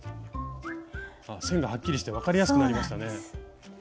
線がはっきりして分かりやすくなりましたね。